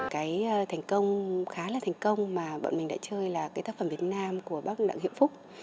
cái thành công khá là thành công mà bọn mình đã chơi là cái tác phẩm việt nam của bác đặng hiệp phúc